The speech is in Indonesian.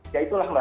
ya itulah mbak